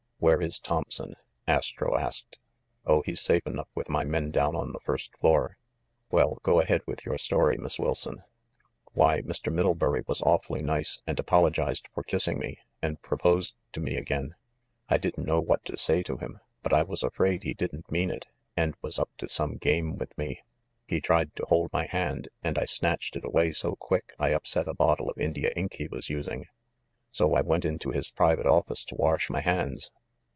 "Where is Thompson?" Astro asked. "Oh, he's safe enough with my men down on the first floor." "Well, go ahead with your story, Miss Wilson." "Why, Mr. Middlebury was awfully nice and apol ogized for kissing me, and proposed to me again. I didn't know what to say to him ; but I was afraid he didn't mean it and was up to some game with me. He tried to hold my hand, and I snatched it away so quick I upset a bottle of India ink he was using. So I went into his private office to wash my hands.